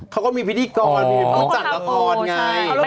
เขาก็มีพิธีกรมีผู้จัดละครไง